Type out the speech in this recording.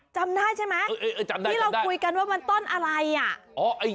จำได้ใช่ไหมที่เราคุยกันว่ามันต้นอะไรอ่ะ